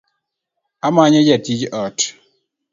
Amanyo jatiij ot